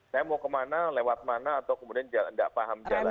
saya mau kemana lewat mana atau kemudian tidak paham jalan